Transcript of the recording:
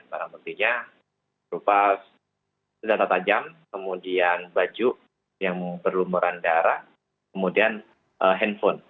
barang buktinya berupa senjata tajam kemudian baju yang berlumuran darah kemudian handphone